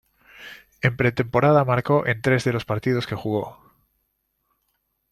En pretemporada marcó en tres de los partidos que jugó.